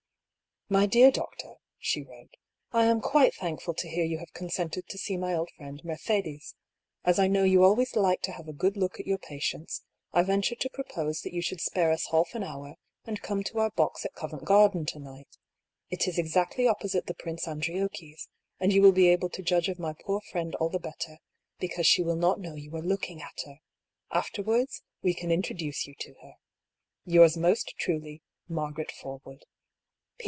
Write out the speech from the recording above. " My dear Doctor " (she wrote), —" I am quite thankful to hear you have consented to see my old friend Mercedes. As I know you always like to have a good look at your patients, I venture to propose that you should spare us half an hour, and come to our box at Covent Garden to night. It is exactly oppo» 8it€ the Prince Andriocchi's, and you will be able to judge of my poor friend all the better, because she will not know you are look ing at her. Afterwards, we can introduce you to her. " Yours most truly, " Margaret Forwood.